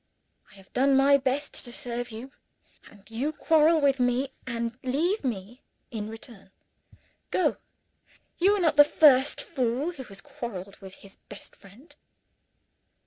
"I have done my best to serve you and you quarrel with me and leave me, in return. Go! You are not the first fool who has quarreled with his best friend."